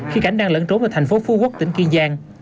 khi cảnh đang lẫn trốn vào thành phố phú quốc tỉnh kỳ giang